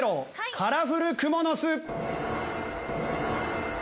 カラフルクモの巣！